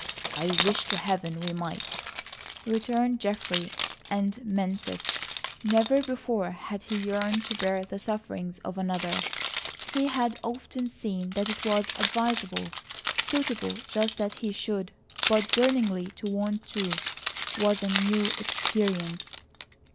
"I wish to Heaven we might," returned Geoffrey, and meant it. Never before had he yearned to bear the sufferings of another. He had often seen that it was advisable, suitable just that he should, but burningly to want to was a new experience.